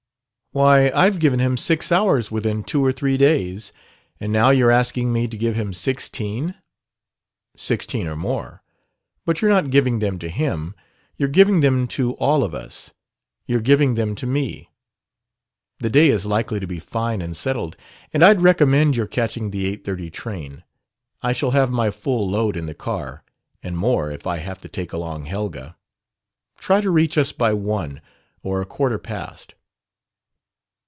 "Why, I've given him six hours within two or three days. And now you're asking me to give him sixteen." "Sixteen or more. But you're not giving them to him. You're giving them to all of us. You're giving them to me. The day is likely to be fine and settled, and I'd recommend your catching the 8:30 train. I shall have my full load in the car. And more, if I have to take along Helga. Try to reach us by one, or a quarter past."